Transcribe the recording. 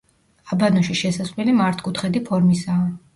აბანოში შესასვლელი მართკუთხედი ფორმისაა.